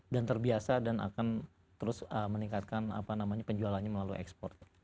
dan terbiasa dan akan terus meningkatkan apa namanya penjualannya melalui export